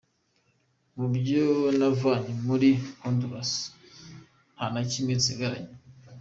"Mu byo navanye muri Honduras, nta na kimwe nsigaranye.